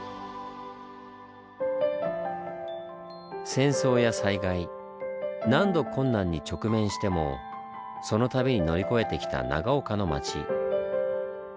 戦争や災害何度困難に直面してもその度に乗り越えてきた長岡の町。